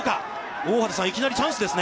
大畑さん、いきなりチャンスですね。